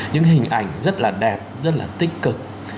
những hình ảnh rất là đẹp rất là tích cực